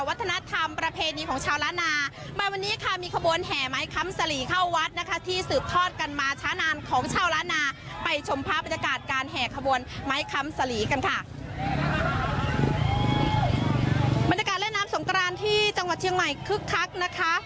บรรยากาศเล่นน้ำสงกรานที่จังหวัดเชียงใหม่คึกคักนะคะ